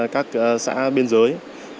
các xã biên giới